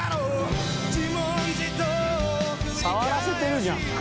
触らせてるじゃん。